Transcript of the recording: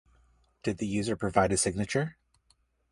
Did the user provide a signature?